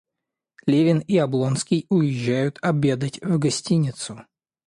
Левин и Облонский уезжают обедать в гостиницу.